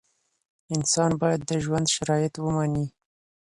انسان باید د ژوند شرایط ومني.